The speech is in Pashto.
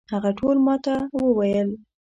هغه ټول ما تا ته وویل.